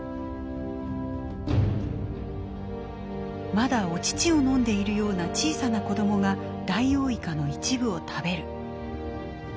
まだお乳を飲んでいるような小さな子どもがダイオウイカの一部を食べる。